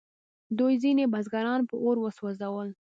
دوی ځینې بزګران په اور وسوځول.